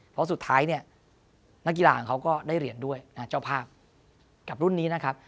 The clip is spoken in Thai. เพราะสุดท้ายเนี่ยนักกีฬาของเขาก็ได้เหรียญด้วยเจ้าภาพกับรุ่นนี้นะครับ